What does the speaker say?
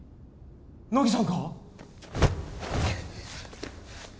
乃木さんか？